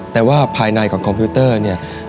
แต่ว่าภายในของคอมพิวเตอร์เนี่ย